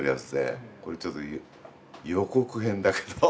これちょっと予告編だけど。